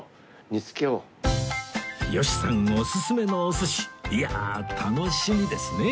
吉さんおすすめのお寿司いやあ楽しみですね